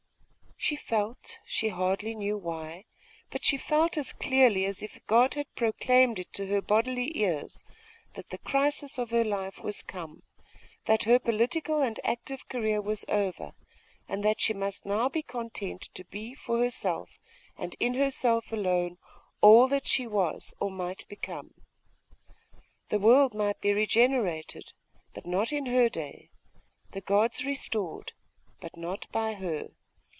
She felt, she hardly knew why, but she felt as clearly as if a god had proclaimed it to her bodily ears, that the crisis of her life was come: that her political and active career was over, and that she must now be content to be for herself, and in herself alone, all that she was, or might become. The world might be regenerated: but not in her day; the gods restored; but not by her.